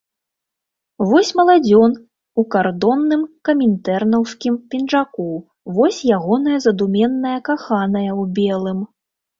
Вось маладзён у кардонным камінтэрнаўскім пінжаку, вось ягоная задуменная каханая ў белым.